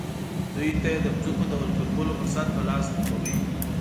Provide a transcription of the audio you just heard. دوی ته یې د ځمکو د ولکه کولو فرصت په لاس ورکاوه.